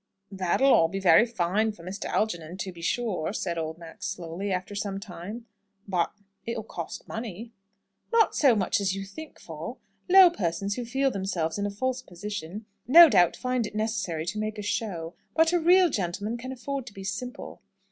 "That'll be all very fine for Mr. Algernon, to be sure," said old Max, slowly, after some time, "but it'll cost money." "Not so much as you think for. Low persons who feel themselves in a false position, no doubt find it necessary to make a show. But a real gentleman can afford to be simple."